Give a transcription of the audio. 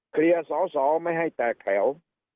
เคลียร์สอสอไม่ให้แตกแขวว